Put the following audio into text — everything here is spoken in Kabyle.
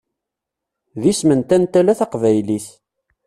D isem n tantala taqbaylit.